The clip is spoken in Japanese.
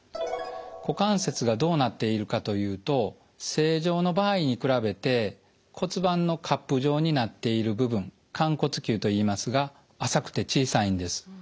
股関節がどうなっているかというと正常の場合に比べて骨盤のカップ状になっている部分寛骨臼といいますが浅くて小さいんです。